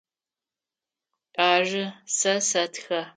Ары, сэ сэтхэ.